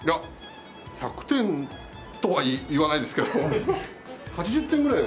１００点とは言わないですけど８０点ぐらいは。